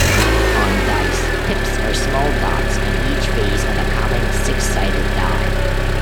On dice, pips are small dots on each face of a common six-sided die.